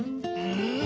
うん！